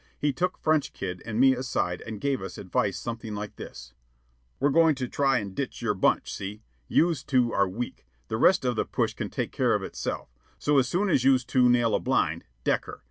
He took French Kid and me aside and gave us advice something like this: "We're goin' to try an' ditch your bunch, see? Youse two are weak. The rest of the push can take care of itself. So, as soon as youse two nail a blind, deck her.